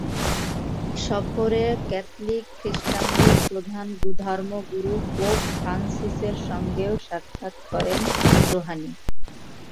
সফরে ক্যাথলিক খ্রিষ্টানদের প্রধান ধর্মগুরু পোপ ফ্রান্সিসের সঙ্গেও সাক্ষাৎ করেন রুহানি।